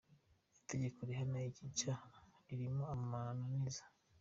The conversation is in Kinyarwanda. Itegeko rihana iki cyaha ririmo amananiza .